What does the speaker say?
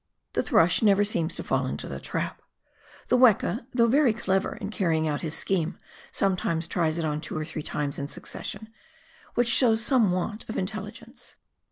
The thrush never seems to fall into the trap. The weka, though very clever in carrying out his scheme, sometimes tries it on two or three times in succession, which shows some want of in telligence.